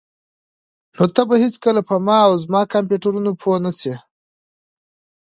نو ته به هیڅکله په ما او زما کمپیوټرونو پوه نشې